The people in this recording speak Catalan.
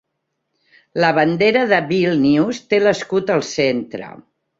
La bandera de Vílnius té l'escut al centre.